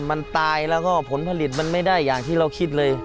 มันตายแล้วก็ผลผลิตมันไม่ได้อย่างที่เราคิดเลย